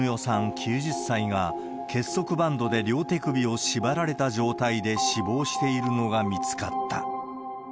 ９０歳が結束バンドで両手首を縛られた状態で死亡しているのが見つかった。